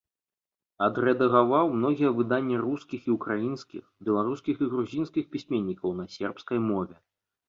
Адрэдагаваў многія выданні рускіх і ўкраінскіх, беларускіх і грузінскіх пісьменнікаў на сербскай мове.